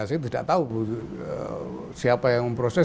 saya tidak tahu siapa yang memproses